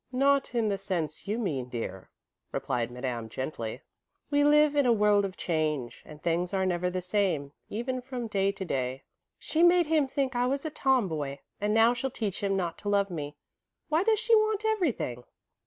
"Not in the sense you mean, dear," replied Madame, gently. "We live in a world of change and things are never the same, even from day to day." "She made him think I was a tomboy, and now she'll teach him not to love me. Why does she want everything?"